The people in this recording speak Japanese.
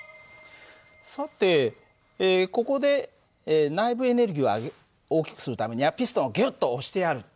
さてここで内部エネルギーを大きくするためにはピストンをギュッと押してやる。